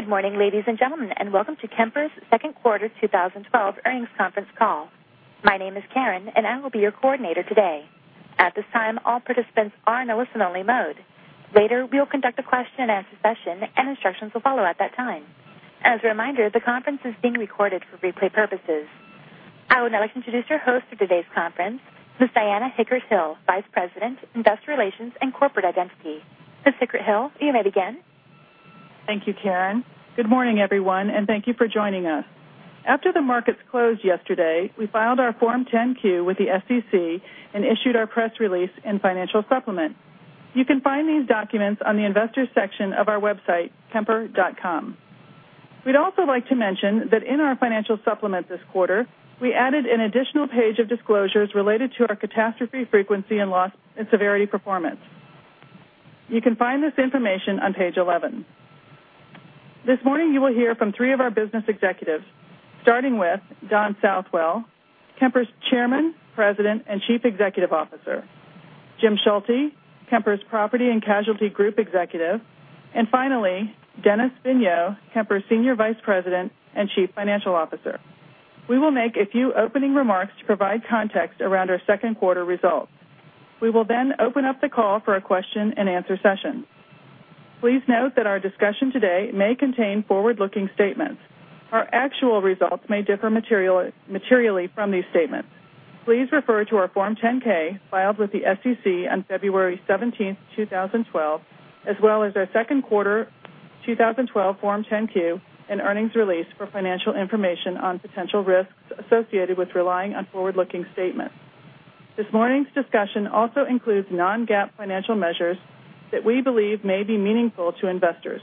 Good morning, ladies and gentlemen, and welcome to Kemper's second quarter 2012 earnings conference call. My name is Karen, and I will be your coordinator today. At this time, all participants are in listen-only mode. Later, we will conduct a question-and-answer session, and instructions will follow at that time. As a reminder, the conference is being recorded for replay purposes. I would now like to introduce your host for today's conference, Ms. Diana Hickert-Hill, Vice President, Investor Relations and Corporate Identity. Ms. Hickert-Hill, you may begin. Thank you, Karen. Good morning, everyone, thank you for joining us. After the markets closed yesterday, we filed our Form 10-Q with the SEC and issued our press release and financial supplement. You can find these documents on the Investors section of our website, kemper.com. We'd also like to mention that in our financial supplement this quarter, we added an additional page of disclosures related to our catastrophe frequency and loss and severity performance. You can find this information on page 11. This morning, you will hear from three of our business executives, starting with Don Southwell, Kemper's Chairman, President, and Chief Executive Officer, Jim Schulte, Kemper's Property and Casualty Group Executive, and finally, Dennis Vigneau, Kemper's Senior Vice President and Chief Financial Officer. We will make a few opening remarks to provide context around our second quarter results. We will then open up the call for a question-and-answer session. Please note that our discussion today may contain forward-looking statements. Our actual results may differ materially from these statements. Please refer to our Form 10-K filed with the SEC on February 17th, 2012, as well as our second quarter 2012 Form 10-Q and earnings release for financial information on potential risks associated with relying on forward-looking statements. This morning's discussion also includes non-GAAP financial measures that we believe may be meaningful to investors.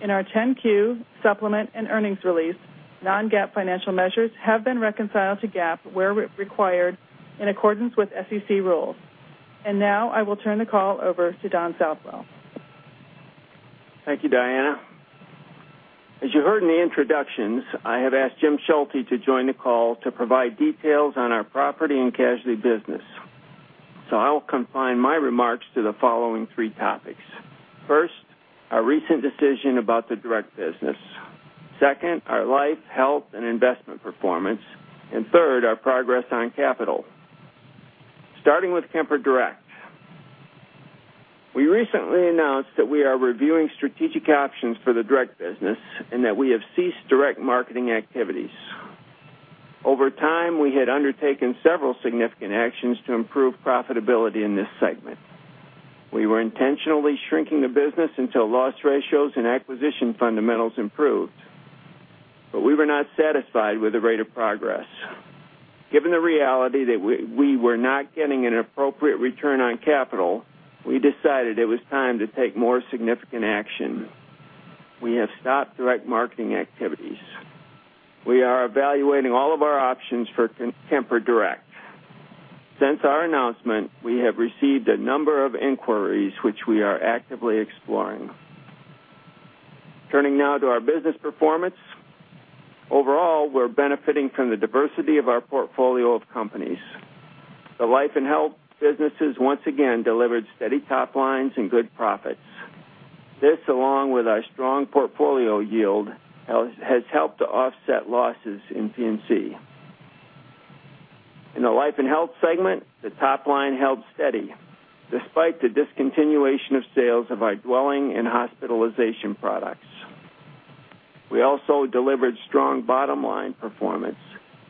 In our 10-Q supplement and earnings release, non-GAAP financial measures have been reconciled to GAAP where required in accordance with SEC rules. Now I will turn the call over to Don Southwell. Thank you, Diana. As you heard in the introductions, I have asked Jim Schulte to join the call to provide details on our property and casualty business. I will confine my remarks to the following three topics. First, our recent decision about the direct business. Second, our life, health, and investment performance, third, our progress on capital. Starting with Kemper Direct. We recently announced that we are reviewing strategic options for the direct business and that we have ceased direct marketing activities. Over time, we had undertaken several significant actions to improve profitability in this segment. We were intentionally shrinking the business until loss ratios and acquisition fundamentals improved. We were not satisfied with the rate of progress. Given the reality that we were not getting an appropriate return on capital, we decided it was time to take more significant action. We have stopped direct marketing activities. We are evaluating all of our options for Kemper Direct. Since our announcement, we have received a number of inquiries, which we are actively exploring. Turning now to our business performance. Overall, we're benefiting from the diversity of our portfolio of companies. The life and health businesses once again delivered steady top lines and good profits. This, along with our strong portfolio yield, has helped to offset losses in P&C. In the life and health segment, the top line held steady despite the discontinuation of sales of our dwelling and hospitalization products. We also delivered strong bottom-line performance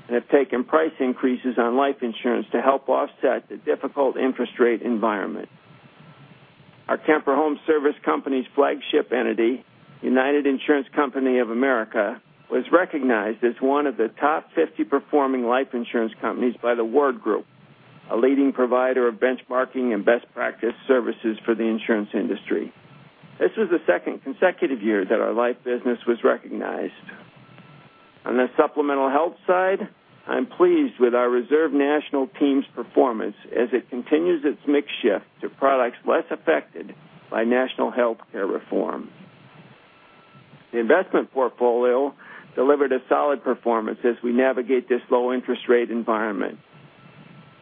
and have taken price increases on life insurance to help offset the difficult interest rate environment. Our Kemper Home Service Companies' flagship entity, United Insurance Company of America, was recognized as one of the top 50 performing life insurance companies by the Ward Group, a leading provider of benchmarking and best practice services for the insurance industry. This was the second consecutive year that our life business was recognized. On the supplemental health side, I'm pleased with our Reserve National team's performance as it continues its mix shift to products less affected by national healthcare reform. The investment portfolio delivered a solid performance as we navigate this low interest rate environment.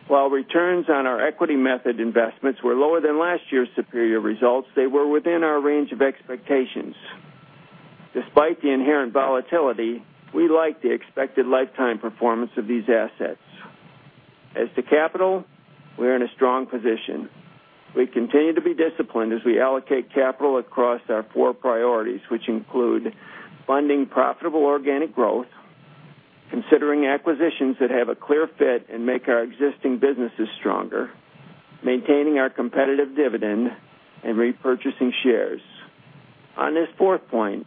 While returns on our equity method investments were lower than last year's superior results, they were within our range of expectations. Despite the inherent volatility, we like the expected lifetime performance of these assets. As to capital, we are in a strong position. We continue to be disciplined as we allocate capital across our four priorities, which include funding profitable organic growth, considering acquisitions that have a clear fit and make our existing businesses stronger, maintaining our competitive dividend, and repurchasing shares. On this fourth point,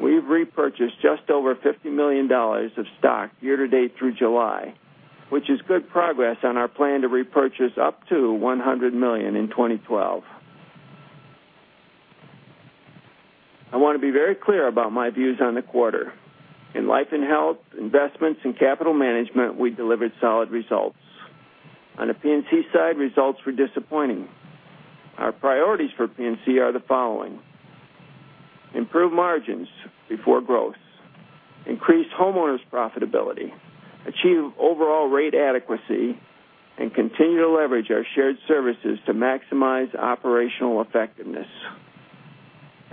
we've repurchased just over $50 million of stock year-to-date through July, which is good progress on our plan to repurchase up to $100 million in 2012. I want to be very clear about my views on the quarter. In life and health, investments, and capital management, we delivered solid results. On the P&C side, results were disappointing. Our priorities for P&C are the following. Improve margins before growth, increase homeowners' profitability, achieve overall rate adequacy, and continue to leverage our shared services to maximize operational effectiveness.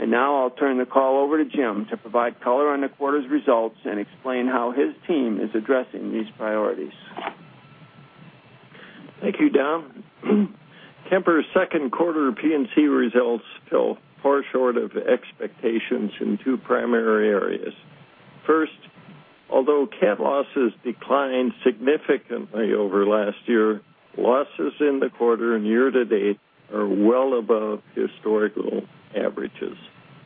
Now I'll turn the call over to Jim to provide color on the quarter's results and explain how his team is addressing these priorities. Thank you, Don. Kemper's second quarter P&C results fell far short of expectations in two primary areas. First, although cat losses declined significantly over last year, losses in the quarter and year-to-date are well above historical averages.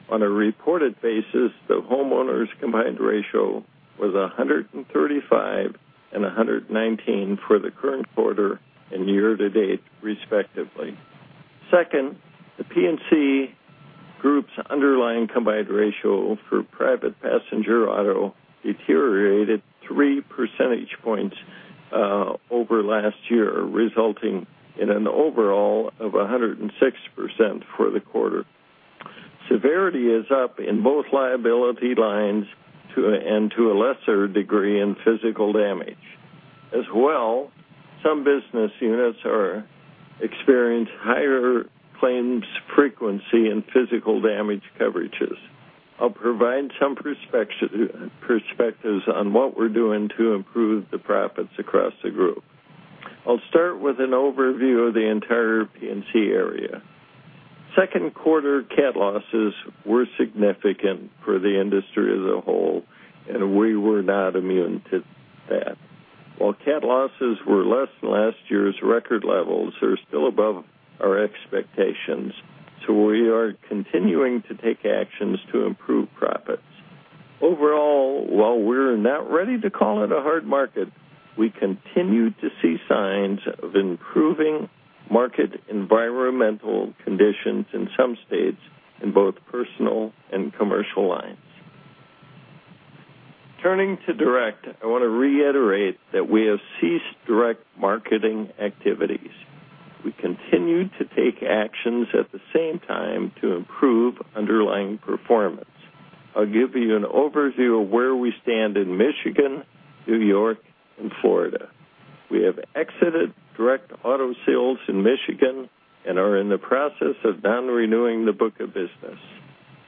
On a reported basis, the homeowners' combined ratio was 135 and 119 for the current quarter and year-to-date, respectively. Second, the P&C group's underlying combined ratio for private passenger auto deteriorated three percentage points over last year, resulting in an overall of 106% for the quarter. Severity is up in both liability lines and, to a lesser degree, in physical damage. As well, some business units are experienced higher claims frequency in physical damage coverages. I'll provide some perspectives on what we're doing to improve the profits across the group. I'll start with an overview of the entire P&C area. Second quarter cat losses were significant for the industry as a whole, we were not immune to that. While cat losses were less than last year's record levels, they're still above our expectations, we are continuing to take actions to improve profits. Overall, while we're not ready to call it a hard market, we continue to see signs of improving market environmental conditions in some states in both personal and commercial lines. Turning to direct, I want to reiterate that we have ceased direct marketing activities. We continue to take actions at the same time to improve underlying performance. I'll give you an overview of where we stand in Michigan, New York, and Florida. We have exited direct auto sales in Michigan and are in the process of non-renewing the book of business.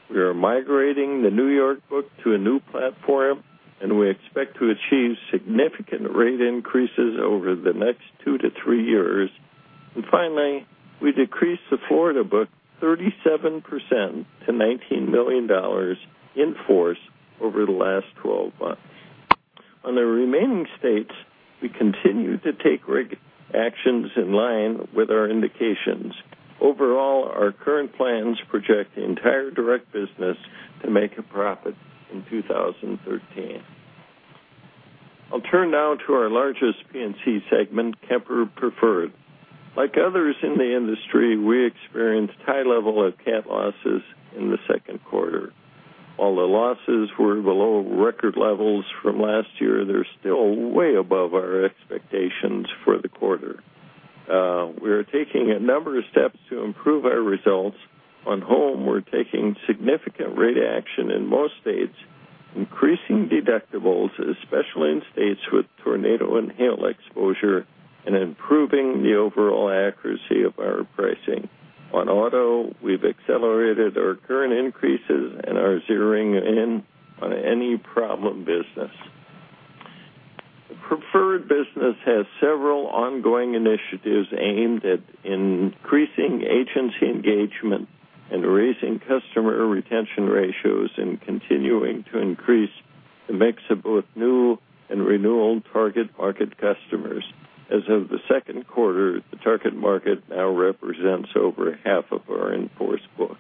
We are migrating the New York book to a new platform, we expect to achieve significant rate increases over the next two to three years. Finally, we decreased the Florida book 37% to $19 million in force over the last 12 months. On the remaining states, we continue to take actions in line with our indications. Overall, our current plans project the entire direct business to make a profit in 2013. I'll turn now to our largest P&C segment, Kemper Preferred. Like others in the industry, we experienced high level of cat losses in the second quarter. While the losses were below record levels from last year, they're still way above our expectations for the quarter. We're taking a number of steps to improve our results. On home, we're taking significant rate action in most states, increasing deductibles, especially in states with tornado and hail exposure, improving the overall accuracy of our pricing. On auto, we've accelerated our current increases, are zeroing in on any problem business. The Preferred business has several ongoing initiatives aimed at increasing agency engagement and raising customer retention ratios, continuing to increase the mix of both new and renewal target market customers. As of the second quarter, the target market now represents over half of our in-force book.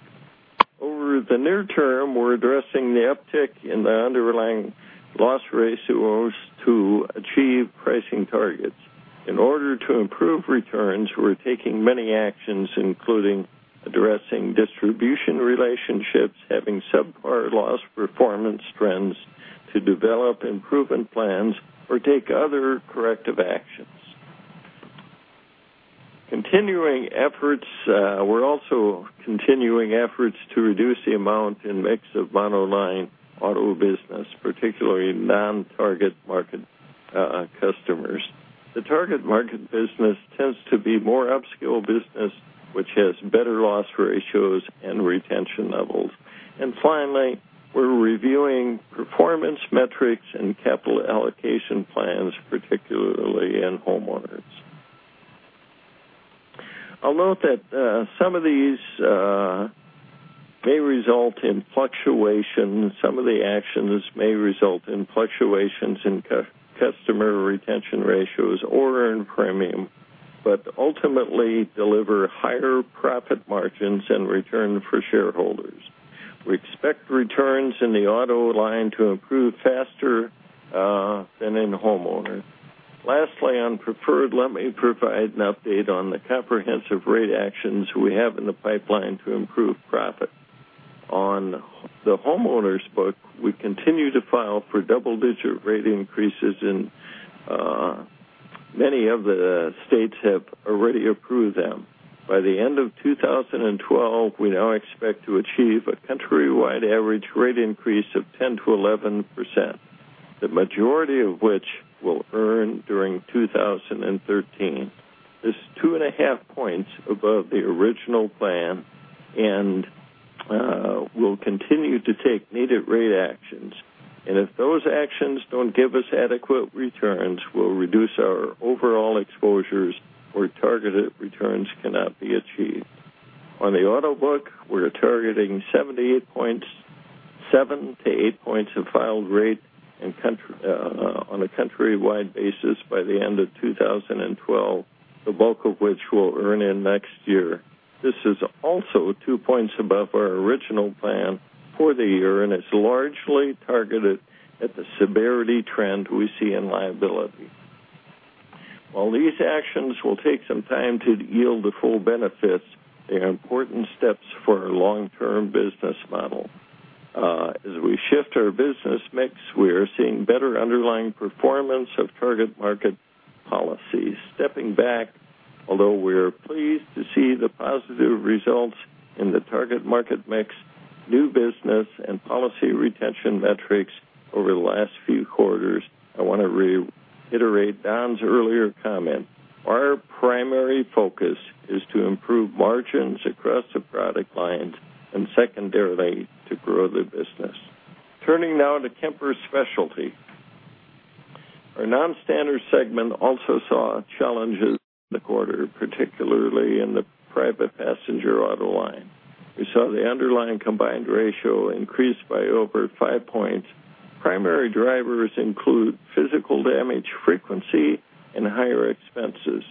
Over the near term, we're addressing the uptick in the underlying loss ratios to achieve pricing targets. In order to improve returns, we're taking many actions, including addressing distribution relationships, having subpar loss performance trends to develop improvement plans or take other corrective actions. We're also continuing efforts to reduce the amount and mix of monoline auto business, particularly non-target market customers. The target market business tends to be more upscale business, which has better loss ratios and retention levels. Finally, we're reviewing performance metrics and capital allocation plans, particularly in homeowners. I'll note that some of the actions may result in fluctuations in customer retention ratios or in premium, but ultimately deliver higher profit margins and return for shareholders. We expect returns in the auto line to improve faster than in homeowners. Lastly, on Preferred, let me provide an update on the comprehensive rate actions we have in the pipeline to improve profit. On the homeowners book, we continue to file for double-digit rate increases. Many of the states have already approved them. By the end of 2012, we now expect to achieve a countrywide average rate increase of 10%-11%, the majority of which we'll earn during 2013. This is 2.5 points above the original plan. We'll continue to take needed rate actions. If those actions don't give us adequate returns, we'll reduce our overall exposures where targeted returns cannot be achieved. On the auto book, we're targeting 7-8 points of filed rate on a countrywide basis by the end of 2012, the bulk of which we'll earn in next year. This is also 2 points above our original plan for the year. It's largely targeted at the severity trend we see in liability. While these actions will take some time to yield the full benefits, they are important steps for our long-term business model. As we shift our business mix, we are seeing better underlying performance of target market policy. Stepping back, although we are pleased to see the positive results in the target market mix, new business, and policy retention metrics over the last few quarters, I want to reiterate Don's earlier comment. Our primary focus is to improve margins across the product lines and secondarily, to grow the business. Turning now to Kemper Specialty. Our non-standard segment also saw challenges in the quarter, particularly in the private passenger auto line. We saw the underlying combined ratio increase by over 5 points. Primary drivers include physical damage frequency and higher expenses.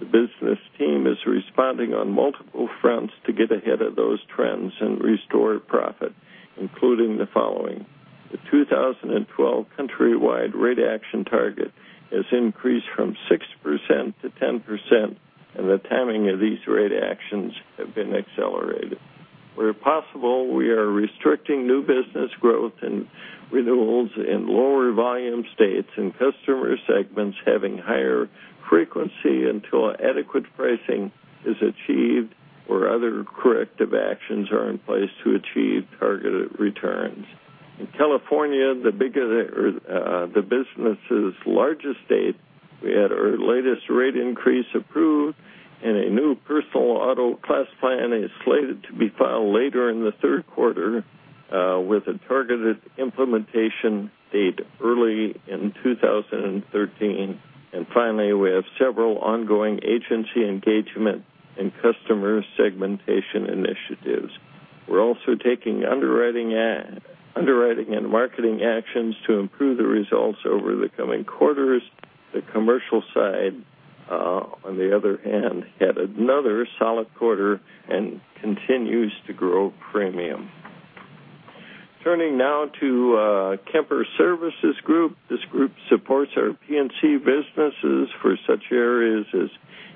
The business team is responding on multiple fronts to get ahead of those trends and restore profit, including the following. The 2012 countrywide rate action target has increased from 6%-10%. The timing of these rate actions have been accelerated. Where possible, we are restricting new business growth and renewals in lower volume states and customer segments having higher frequency until adequate pricing is achieved or other corrective actions are in place to achieve targeted returns. In California, the business' largest state, we had our latest rate increase approved. A new personal auto class plan is slated to be filed later in the third quarter, with a targeted implementation date early in 2013. Finally, we have several ongoing agency engagement and customer segmentation initiatives. We're also taking underwriting and marketing actions to improve the results over the coming quarters. The commercial side, on the other hand, had another solid quarter and continues to grow premium. Turning now to Kemper Services Group. This group supports our P&C businesses for such areas as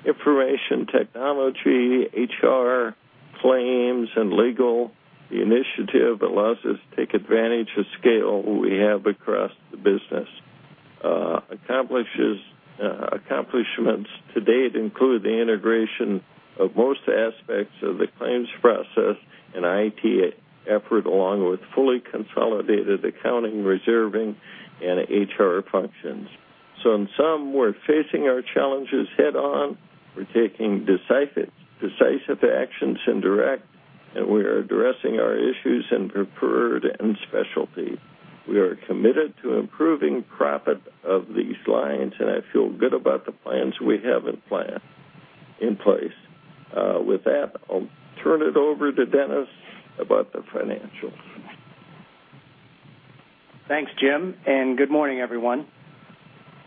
information technology, HR, claims, and legal. The initiative allows us to take advantage of scale we have across the business. Accomplishments to date include the integration of most aspects of the claims process and IT effort, along with fully consolidated accounting, reserving, and HR functions. In sum, we're facing our challenges head on. We're taking decisive actions in Direct, and we are addressing our issues in Preferred and Specialty. We are committed to improving profit of these lines, and I feel good about the plans we have in place. With that, I'll turn it over to Dennis about the financials. Thanks, Jim, and good morning, everyone.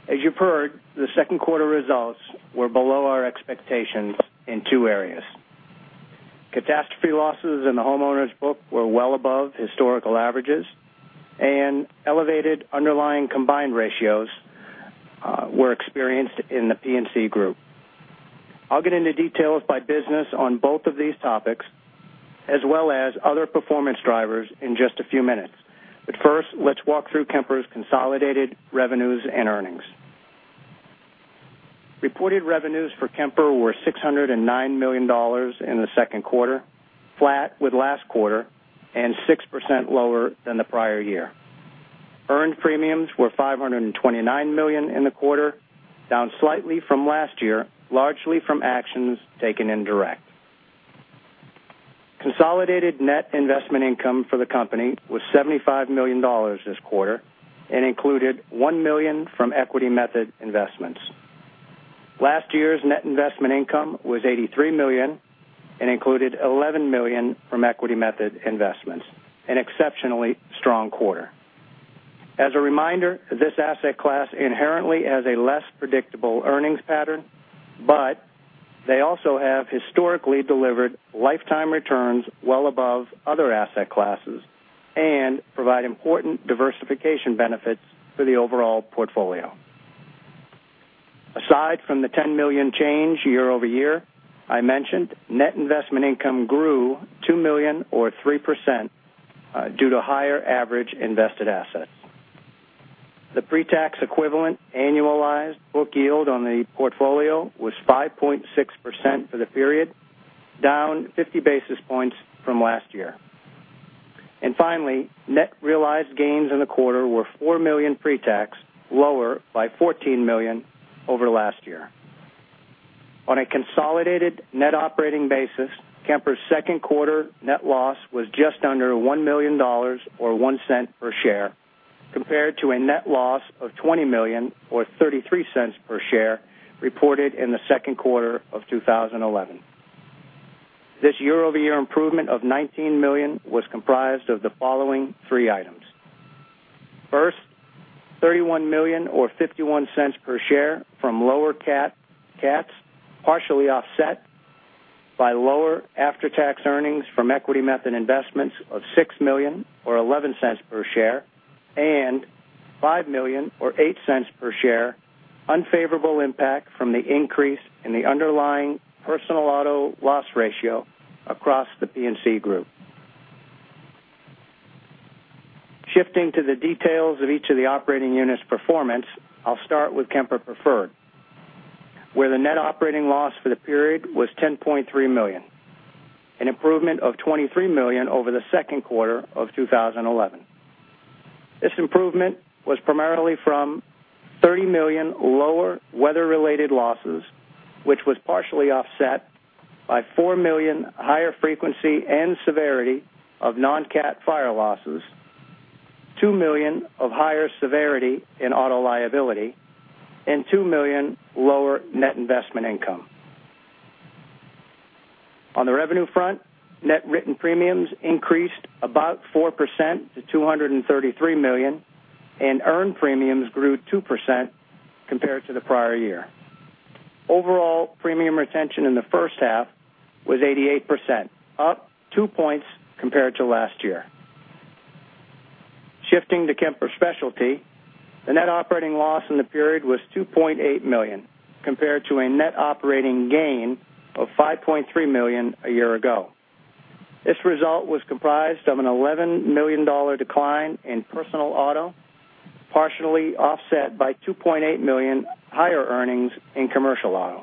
As you've heard, the second quarter results were below our expectations in two areas. Catastrophe losses in the homeowners book were well above historical averages, and elevated underlying combined ratios were experienced in the P&C group. I'll get into details by business on both of these topics, as well as other performance drivers in just a few minutes. First, let's walk through Kemper's consolidated revenues and earnings. Reported revenues for Kemper were $609 million in the second quarter, flat with last quarter, and 6% lower than the prior year. Earned premiums were $529 million in the quarter, down slightly from last year, largely from actions taken in Direct. Consolidated net investment income for the company was $75 million this quarter and included $1 million from equity method investments. Last year's net investment income was $83 million and included $11 million from equity method investments, an exceptionally strong quarter. As a reminder, this asset class inherently has a less predictable earnings pattern, but they also have historically delivered lifetime returns well above other asset classes and provide important diversification benefits for the overall portfolio. Aside from the $10 million change year-over-year I mentioned, net investment income grew $2 million or 3% due to higher average invested assets. The pre-tax equivalent annualized book yield on the portfolio was 5.6% for the period, down 50 basis points from last year. Finally, net realized gains in the quarter were $4 million pre-tax, lower by $14 million over last year. On a consolidated net operating basis, Kemper's second quarter net loss was just under $1 million, or $0.01 per share, compared to a net loss of $20 million or $0.33 per share reported in the second quarter of 2011. This year-over-year improvement of $19 million was comprised of the following three items. First, $31 million or $0.51 per share from lower CATs, partially offset by lower after-tax earnings from equity method investments of $6 million or $0.11 per share, and $5 million or $0.08 per share unfavorable impact from the increase in the underlying personal auto loss ratio across the P&C group. Shifting to the details of each of the operating units' performance, I'll start with Kemper Preferred, where the net operating loss for the period was $10.3 million, an improvement of $23 million over the second quarter of 2011. This improvement was primarily from $30 million lower weather-related losses, which was partially offset by $4 million higher frequency and severity of non-CAT fire losses, $2 million of higher severity in auto liability, and $2 million lower net investment income. On the revenue front, net written premiums increased about 4% to $233 million, and earned premiums grew 2% compared to the prior year. Overall premium retention in the first half was 88%, up two points compared to last year. Shifting to Kemper Specialty, the net operating loss in the period was $2.8 million, compared to a net operating gain of $5.3 million a year ago. This result was comprised of an $11 million decline in personal auto, partially offset by $2.8 million higher earnings in commercial auto.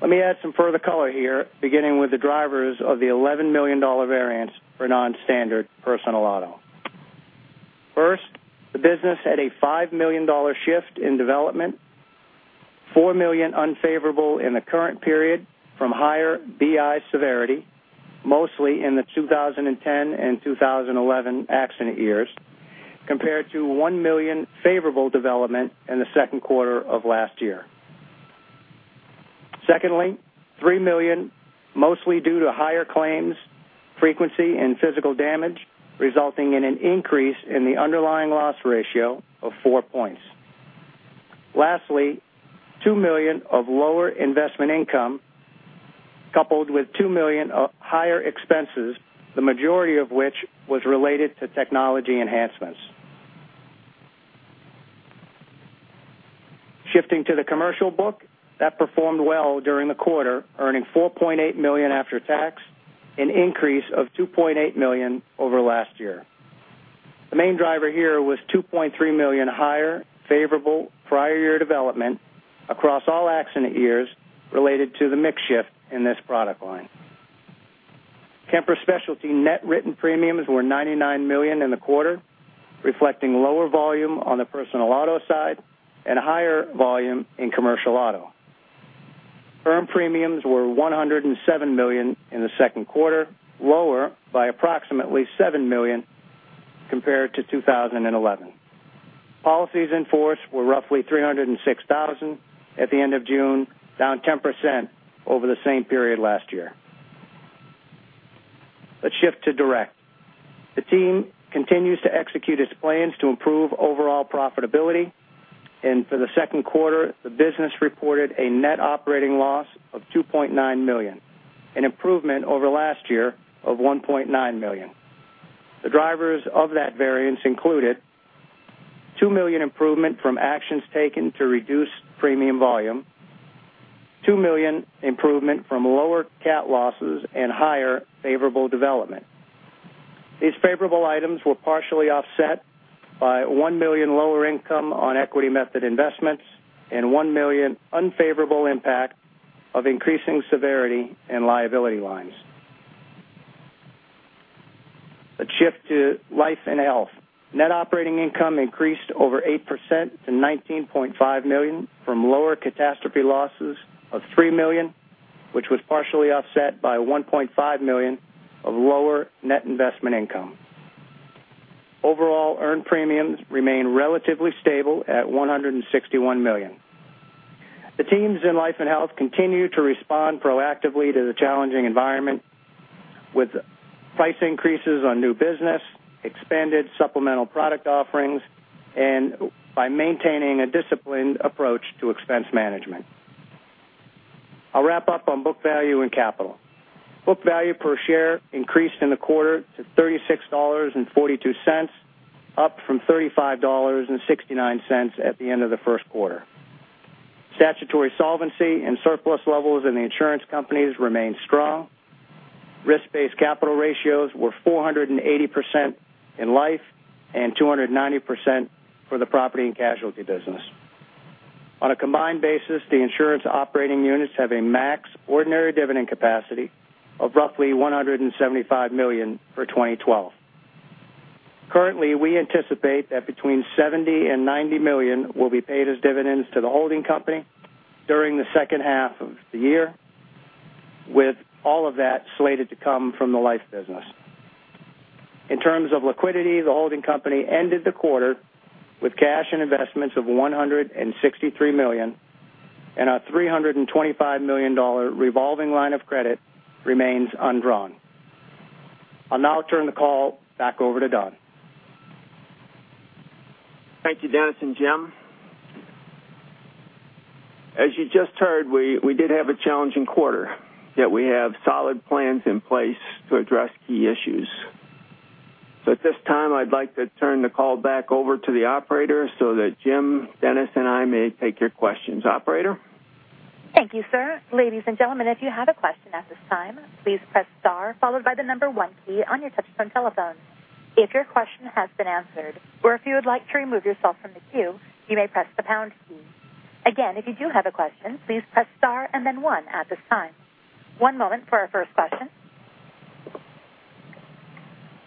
Let me add some further color here, beginning with the drivers of the $11 million variance for non-standard personal auto. First, the business had a $5 million shift in development, $4 million unfavorable in the current period from higher BI severity, mostly in the 2010 and 2011 accident years, compared to $1 million favorable development in the second quarter of last year. Secondly, $3 million mostly due to higher claims frequency and physical damage, resulting in an increase in the underlying loss ratio of four points. Lastly, $2 million of lower investment income, coupled with $2 million of higher expenses, the majority of which was related to technology enhancements. Shifting to the commercial book, that performed well during the quarter, earning $4.8 million after tax, an increase of $2.8 million over last year. The main driver here was $2.3 million higher favorable prior year development across all accident years related to the mix shift in this product line. Kemper Specialty net written premiums were $99 million in the quarter, reflecting lower volume on the personal auto side and higher volume in commercial auto. Earned premiums were $107 million in the second quarter, lower by approximately $7 million compared to 2011. Policies in force were roughly 306,000 at the end of June, down 10% over the same period last year. Let's shift to Direct. The team continues to execute its plans to improve overall profitability, and for the second quarter, the business reported a net operating loss of $2.9 million, an improvement over last year of $1.9 million. The drivers of that variance included $2 million improvement from actions taken to reduce premium volume, $2 million improvement from lower CAT losses, and higher favorable development. These favorable items were partially offset by $1 million lower income on equity method investments and $1 million unfavorable impact of increasing severity and liability lines. Let's shift to life and health. Net operating income increased over 8% to $19.5 million from lower catastrophe losses of $3 million, which was partially offset by $1.5 million of lower net investment income. Overall, earned premiums remain relatively stable at $161 million. The teams in life and health continue to respond proactively to the challenging environment with price increases on new business, expanded supplemental product offerings, and by maintaining a disciplined approach to expense management. I'll wrap up on book value and capital. Book value per share increased in the quarter to $36.42, up from $35.69 at the end of the first quarter. Statutory solvency and surplus levels in the insurance companies remain strong. Risk-based capital ratios were 480% in life and 290% for the property and casualty business. On a combined basis, the insurance operating units have a max ordinary dividend capacity of roughly $175 million for 2012. Currently, we anticipate that between $70 million and $90 million will be paid as dividends to the holding company during the second half of the year, with all of that slated to come from the life business. In terms of liquidity, the holding company ended the quarter with cash and investments of $163 million and a $325 million revolving line of credit remains undrawn. I'll now turn the call back over to Don. Thank you, Dennis and Jim. As you just heard, we did have a challenging quarter, yet we have solid plans in place to address key issues. At this time, I'd like to turn the call back over to the operator so that Jim, Dennis, and I may take your questions. Operator? Thank you, sir. Ladies and gentlemen, if you have a question at this time, please press star followed by the number one key on your touchtone telephone. If your question has been answered or if you would like to remove yourself from the queue, you may press the pound key. Again, if you do have a question, please press star and then one at this time. One moment for our first question.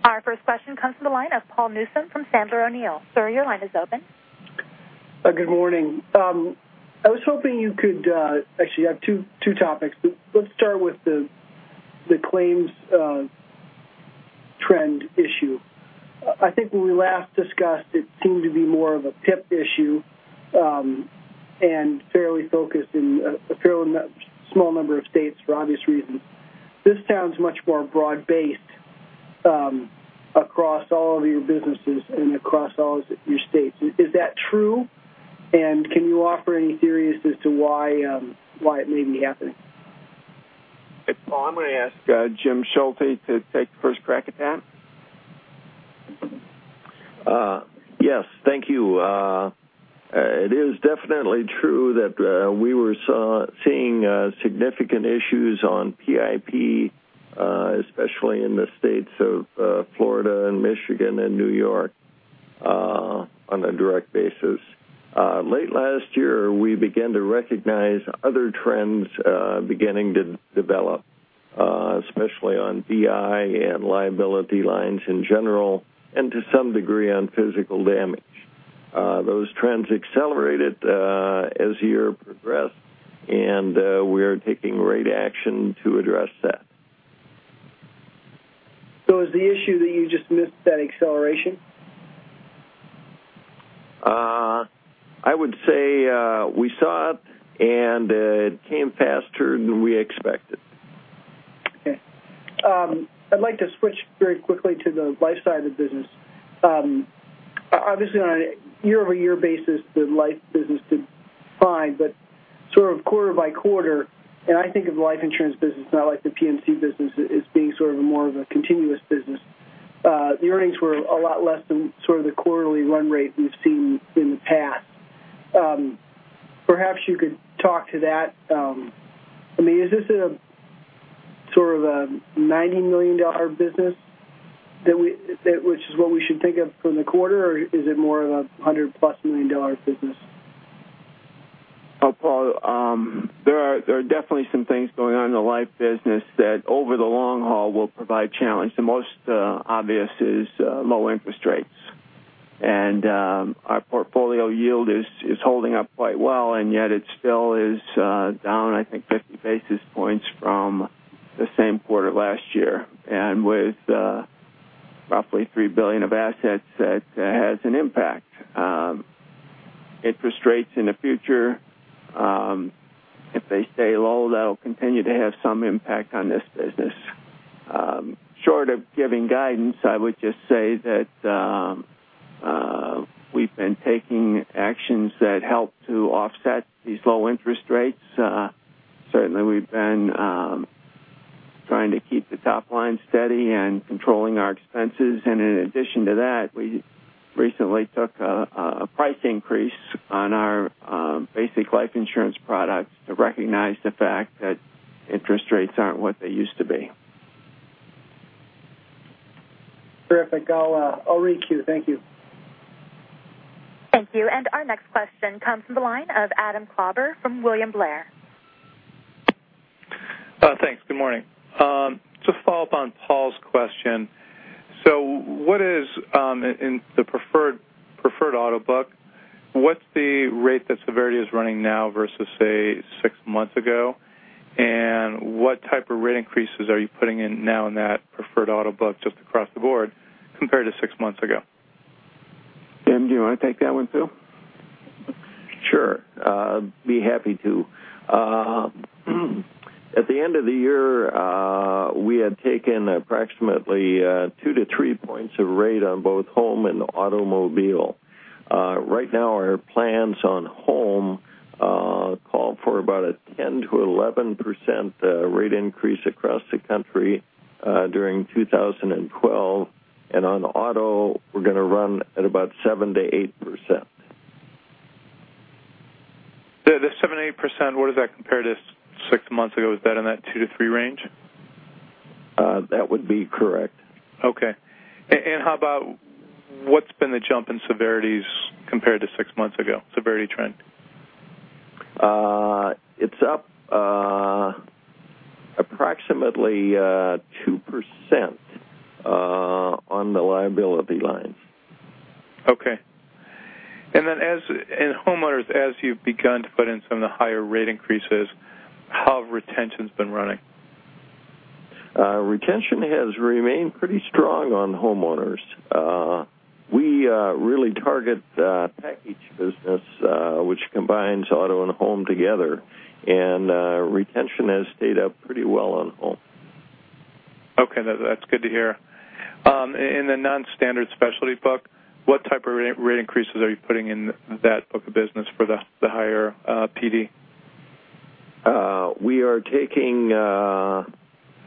Our first question comes from the line of Paul Newsome from Sandler O'Neill. Sir, your line is open. Good morning. Actually, I have two topics, but let's start with the claims trend issue. I think when we last discussed, it seemed to be more of a PIP issue, and fairly focused in a fairly small number of states for obvious reasons. This sounds much more broad-based across all of your businesses and across all of your states. Is that true, and can you offer any theories as to why it may be happening? Paul, I'm going to ask Jim Schulte to take the first crack at that. Yes. Thank you. It is definitely true that we were seeing significant issues on PIP, especially in the states of Florida and Michigan and New York on a direct basis. Late last year, we began to recognize other trends beginning to develop, especially on BI and liability lines in general, and to some degree, on physical damage. Those trends accelerated as the year progressed, and we are taking great action to address that. Is the issue that you just missed that acceleration? I would say we saw it, and it came faster than we expected. Okay. I'd like to switch very quickly to the life side of the business. Obviously, on a year-over-year basis, the life business did fine, but sort of quarter-by-quarter, I think of life insurance business, not like the P&C business, as being sort of a more of a continuous business. The earnings were a lot less than sort of the quarterly run rate we've seen in the past. Perhaps you could talk to that. Is this a sort of a $90 million business which is what we should think of from the quarter, or is it more of a $100 million plus business? Paul, there are definitely some things going on in the life business that over the long haul will provide challenge. The most obvious is low interest rates. Our portfolio yield is holding up quite well, and yet it still is down, I think, 50 basis points from the same quarter last year. With roughly $3 billion of assets, that has an impact. Interest rates in the future, if they stay low, that'll continue to have some impact on this business. Short of giving guidance, I would just say that we've been taking actions that help to offset these low interest rates. Certainly, we've been trying to keep the top line steady and controlling our expenses. In addition to that, we recently took a price increase on our basic life insurance products to recognize the fact that interest rates aren't what they used to be. Terrific. I'll re-queue. Thank you. Thank you. Our next question comes from the line of Adam Klauber from William Blair. Thanks. Good morning. To follow up on Paul's question, what is in the preferred auto book, what's the rate that severity is running now versus, say, six months ago? What type of rate increases are you putting in now in that preferred auto book just across the board compared to six months ago? Jim, do you want to take that one, too? Sure. I'd be happy to. At the end of the year, we had taken approximately two to three points of rate on both home and automobile. Right now, our plans on home call for about a 10%-11% rate increase across the country during 2012. On auto, we're going to run at about 7%-8%. The 7%-8%, what does that compare to six months ago? Is that in that 2%-3% range? That would be correct. Okay. How about what's been the jump in severities compared to six months ago, severity trend? It's up approximately 2% on the liability line. Okay. In homeowners, as you've begun to put in some of the higher rate increases, how have retentions been running? Retention has remained pretty strong on homeowners. We really target the package business, which combines auto and home together, and retention has stayed up pretty well on home. Okay. That's good to hear. In the non-standard specialty book, what type of rate increases are you putting in that book of business for the higher PD? We are taking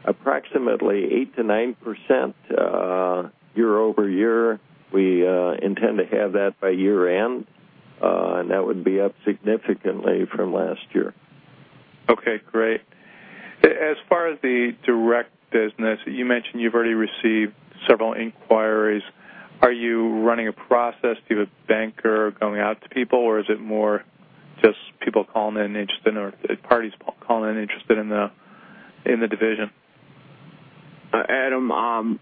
approximately 8%-9% year-over-year. We intend to have that by year-end. That would be up significantly from last year. Okay, great. As far as the direct business, you mentioned you've already received several inquiries. Are you running a process? Do you have a banker going out to people, or is it more just people calling in interested, or parties calling in interested in the division? Adam,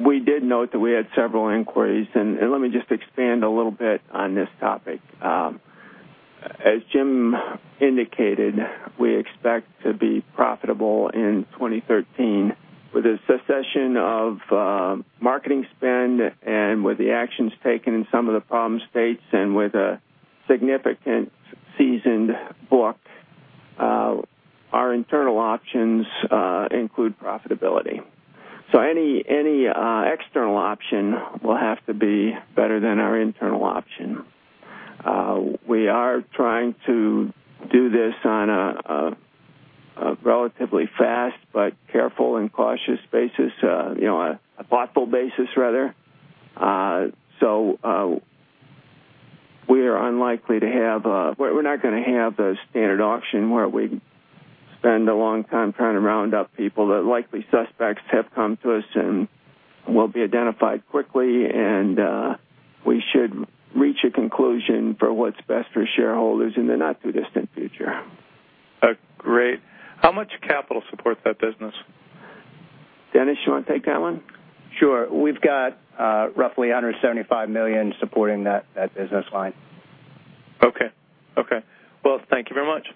we did note that we had several inquiries. Let me just expand a little bit on this topic. As Jim indicated, we expect to be profitable in 2013 with a cessation of marketing spend and with the actions taken in some of the problem states and with a significant seasoned book. Our internal options include profitability. Any external option will have to be better than our internal option. We are trying to do this on a relatively fast but careful and cautious basis, a thoughtful basis, rather. We're not going to have a standard auction where we spend a long time trying to round up people. The likely suspects have come to us and will be identified quickly, and we should reach a conclusion for what's best for shareholders in the not-too-distant future. Great. How much capital support that business? Dennis, you want to take that one? Sure. We've got roughly $175 million supporting that business line. Okay. Well, thank you very much.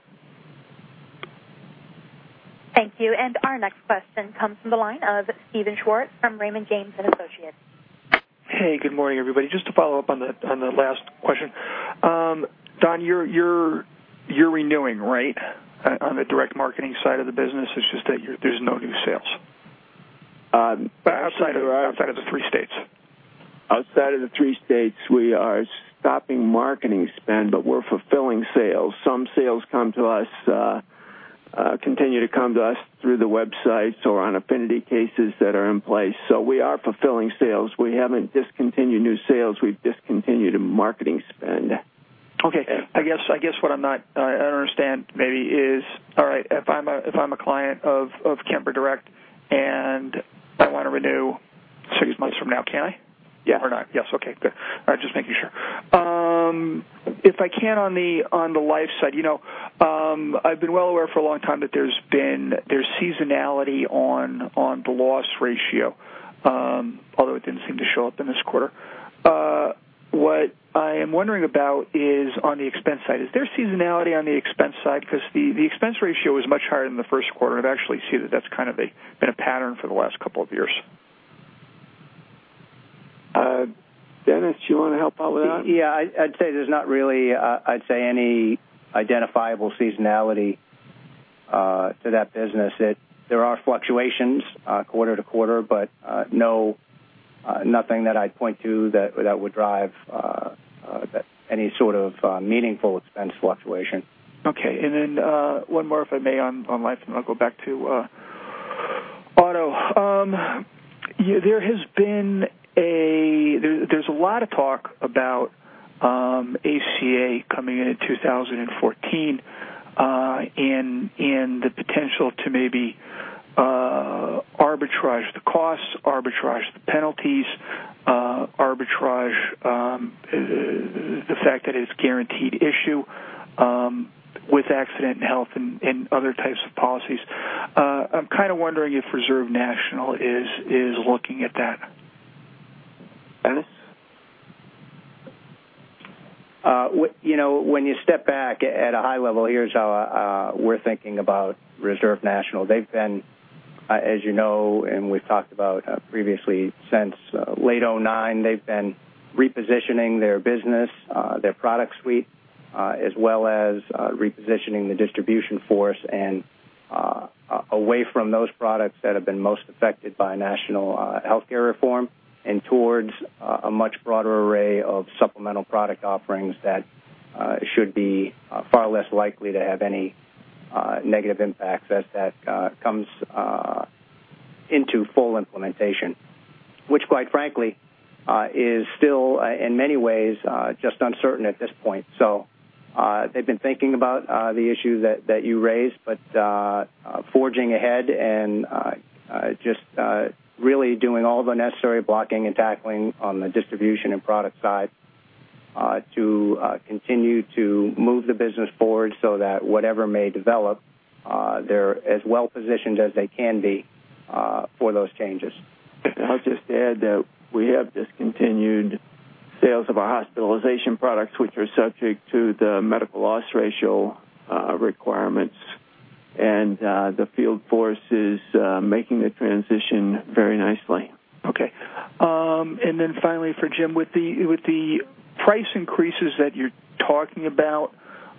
Thank you. Our next question comes from the line of Steven Schwartz from Raymond James & Associates. Hey, good morning, everybody. Just to follow up on the last question. Don, you're renewing, right, on the direct marketing side of the business, it's just that there's no new sales? We are. Outside of the three states. Outside of the three states, we are stopping marketing spend. We're fulfilling sales. Some sales continue to come to us through the websites or on affinity cases that are in place. We are fulfilling sales. We haven't discontinued new sales. We've discontinued marketing spend. Okay. I guess what I don't understand maybe is, all right, if I'm a client of Kemper Direct and I want to renew six months from now, can I? Yeah. Or not? Yes. Okay, good. All right, just making sure. If I can, on the life side, I've been well aware for a long time that there's seasonality on the loss ratio. Although it didn't seem to show up in this quarter. What I am wondering about is on the expense side. Is there seasonality on the expense side? Because the expense ratio is much higher than the first quarter. I've actually seen that that's kind of been a pattern for the last couple of years. Dennis, do you want to help out with that? Yeah, I'd say there's not really any identifiable seasonality to that business. There are fluctuations quarter to quarter, but nothing that I'd point to that would drive any sort of meaningful expense fluctuation. Okay. One more, if I may, on life, and then I'll go back to auto. There's a lot of talk about ACA coming in in 2014, and the potential to maybe arbitrage the costs, arbitrage the penalties, arbitrage the fact that it's guaranteed issue with accident and health and other types of policies. I'm kind of wondering if Reserve National is looking at that. Dennis? When you step back at a high level, here's how we're thinking about Reserve National. They've been, as you know and we've talked about previously, since late 2009, they've been repositioning their business, their product suite, as well as repositioning the distribution force away from those products that have been most affected by national healthcare reform and towards a much broader array of supplemental product offerings that should be far less likely to have any negative impacts as that comes into full implementation, which quite frankly, is still, in many ways, just uncertain at this point. They've been thinking about the issue that you raised, but forging ahead and just really doing all the necessary blocking and tackling on the distribution and product side to continue to move the business forward so that whatever may develop, they're as well-positioned as they can be for those changes. I'll just add that we have discontinued sales of our hospitalization products, which are subject to the medical loss ratio requirements, and the field force is making the transition very nicely. Okay. Finally for Jim, with the price increases that you're talking about,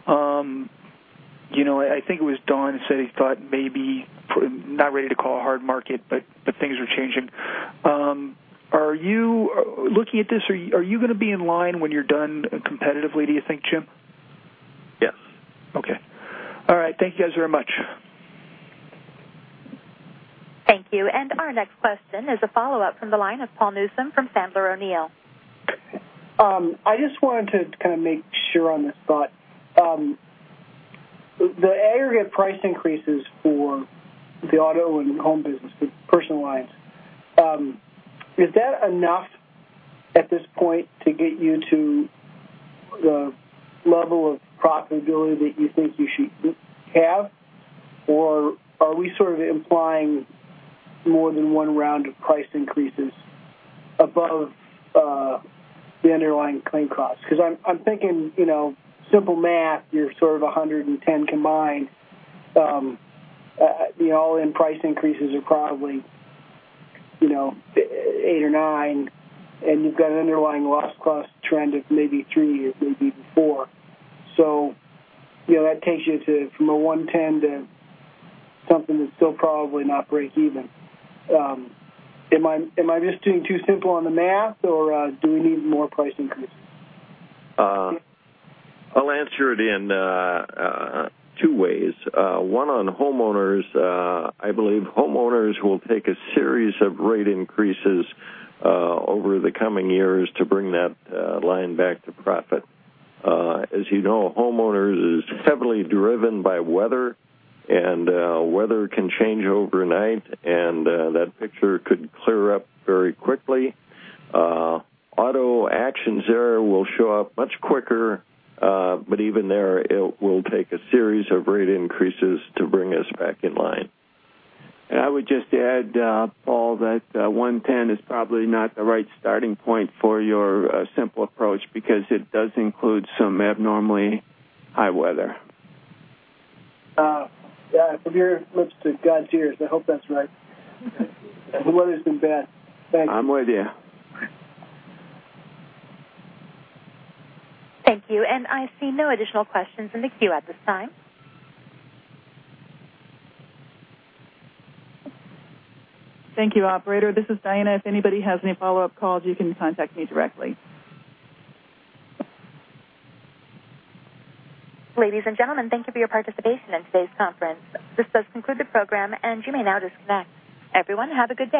I think it was Don who said he thought maybe, not ready to call a hard market, but things are changing. Looking at this, are you going to be in line when you're done competitively, do you think, Jim? Yes. Okay. All right. Thank you guys very much. Thank you. Our next question is a follow-up from the line of Paul Newsome from Sandler O'Neill. I just wanted to kind of make sure on this thought. The aggregate price increases for the auto and home business, the personal lines, is that enough at this point to get you to the level of profitability that you think you should have? Or are we sort of implying more than one round of price increases above the underlying claim cost? I'm thinking simple math, you're sort of 110 combined. All-in price increases are probably eight or nine, and you've got an underlying loss cost trend of maybe three or maybe four. That takes you from a 110 to something that's still probably not break even. Am I just doing too simple on the math, or do we need more price increases? I'll answer it in two ways. One on homeowners. I believe homeowners will take a series of rate increases over the coming years to bring that line back to profit. You know, homeowners is heavily driven by weather, and weather can change overnight, and that picture could clear up very quickly. Auto actions there will show up much quicker. Even there, it will take a series of rate increases to bring us back in line. I would just add, Paul, that 110 is probably not the right starting point for your simple approach because it does include some abnormally high weather. Yeah. From your lips to God's ears. I hope that's right. The weather's been bad. Thank you. I'm with you. Thank you. I see no additional questions in the queue at this time. Thank you, operator. This is Diana. If anybody has any follow-up calls, you can contact me directly. Ladies and gentlemen, thank you for your participation in today's conference. This does conclude the program. You may now disconnect. Everyone, have a good day.